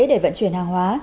để vận chuyển hàng hóa